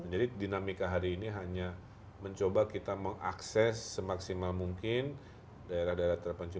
jadi dinamika hari ini hanya mencoba kita mengakses semaksimal mungkin daerah daerah terpencil